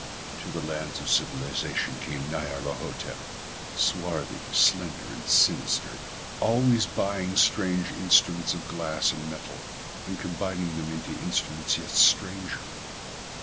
Into the lands of civilisation came Nyarlathotep, swarthy, slender, and sinister, always buying strange instruments of glass and metal and combining them into instruments yet stranger.